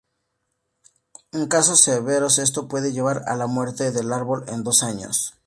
En casos severos esto puede llevar a la muerte del árbol en dos años.